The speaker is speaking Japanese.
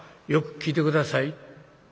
よく聞いて下さい。